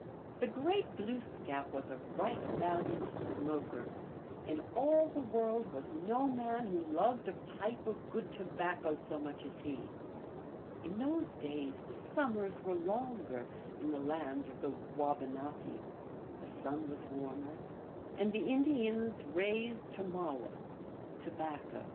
The great Glooskap was a right valiant smoker ; in all the world was no man who loved a pipe of good tobacco so much as he. In those days the summers were longer in the land of the Wabanaki, the sun was warmer, and the Indians raised tomawe (tobacco, P.)